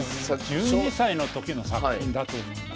１２歳の時の作品だと思いますね。